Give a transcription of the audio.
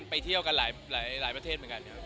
ในหลายประเทศเหมือนกัน